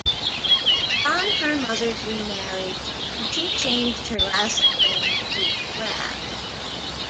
Upon her mother's remarriage, she changed her last name to "Kraft".